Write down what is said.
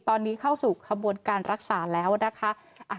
ตอนนี้เข้าสู่ขบวนการรักษาแล้วนะคะ